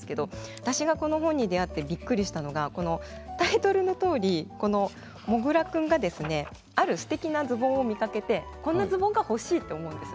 私がこの本に出会ってびっくりしたのがタイトルのとおりもぐら君があるすてきなズボンを見かけてこんなズボンが欲しいと思います。